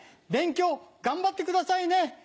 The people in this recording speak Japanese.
勉強頑張ってくださいね。